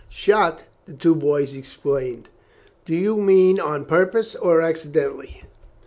"Shot!" the two boys exclaimed. "Do you mean on purpose or accidentally?"